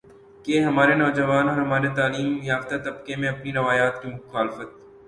کہ ہمارے نوجوانوں اور ہمارے تعلیم یافتہ طبقہ میں اپنی روایات کی مخالفت